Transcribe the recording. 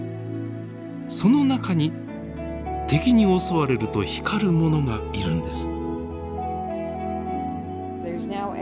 その中に敵に襲われると光るものがいるんです。